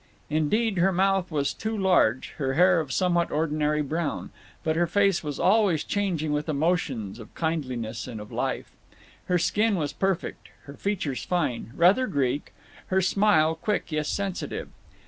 Indeed, her mouth was too large, her hair of somewhat ordinary brown. But her face was always changing with emotions of kindliness and life. Her skin was perfect; her features fine, rather Greek; her smile, quick yet sensitive.